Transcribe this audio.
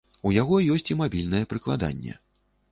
У яго ёсць і мабільнае прыкладанне.